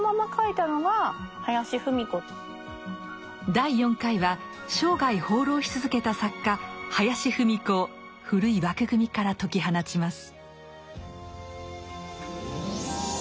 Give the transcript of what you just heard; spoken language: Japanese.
第４回は生涯放浪し続けた作家林芙美子を古い枠組みから解き放ちます。